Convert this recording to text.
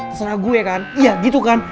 terserah gue kan iya gitu kan